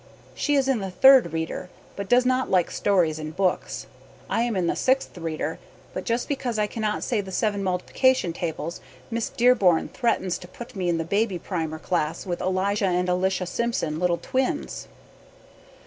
She is in the Third Reader but does not like stories in books. I am in the Sixth Reader but just because I cannot say the seven multiplication Table Miss Dearborn threttens to put me in the baby primer class with Elijah and Elisha Simpson little twins.